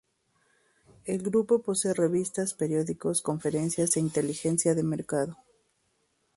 El Grupo posee revistas, periódicos, conferencias e inteligencia de mercado.